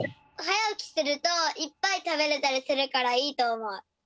はやおきするといっぱいたべれたりするからいいとおもう。